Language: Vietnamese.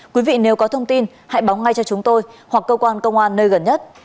quý vị nếu có thông tin hãy báo ngay cho chúng tôi hoặc cơ quan công an nơi gần nhất